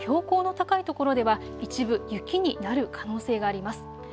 標高の高い所では一部雪になる可能性があります。